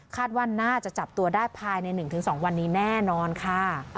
ว่าน่าจะจับตัวได้ภายใน๑๒วันนี้แน่นอนค่ะ